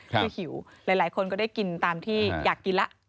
คือหิวหลายคนก็ได้กินตามที่อยากกินแล้ว